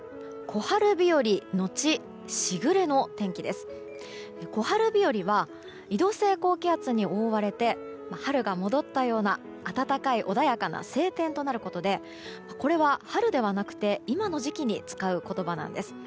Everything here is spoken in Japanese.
小春日和は移動性高気圧に覆われて春が戻ったような暖かい穏やかな晴天となることでこれは、春ではなくて今の時期に使う言葉なんです。